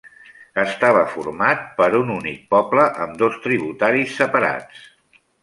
Estava format per un únic poble amb dos tributaris separats.